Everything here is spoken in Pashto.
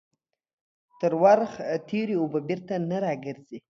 تر ورخ تيري اوبه بيرته نه راگرځي.